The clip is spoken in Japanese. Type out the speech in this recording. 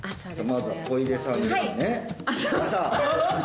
まずは小出さんですね